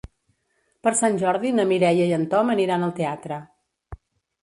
Per Sant Jordi na Mireia i en Tom aniran al teatre.